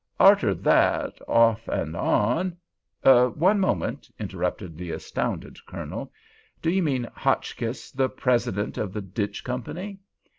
Arter that—off and on——" "One moment," interrupted the astounded Colonel; "do you mean Hotchkiss the President of the Ditch Company?"